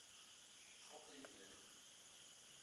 trente et une lettres.